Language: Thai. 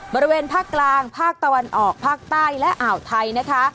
บริเวณภาคกลางภาคตะวันออกภาคใต้และอ่าวไทยนะคะ